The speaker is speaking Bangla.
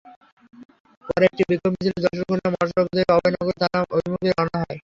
পরে একটি বিক্ষোভ মিছিল যশোর-খুলনা মহাসড়ক ধরে অভয়নগর থানা অভিমুখে রওনা হয়।